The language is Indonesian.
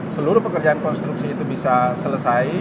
seluruh pekerjaan konstruksi itu bisa selesai